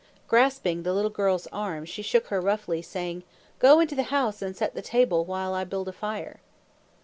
Grasping the little girl's arm, she shook her roughly, saying, "Go into the house and set the table while I build a fire."